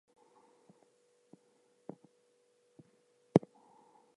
If so, is there specific permission to use and distribute them?